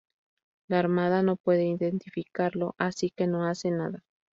La Armada no puede identificarlo, así que no hacen nada.